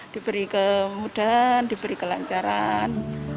diberi kemudahan diberi kelancaran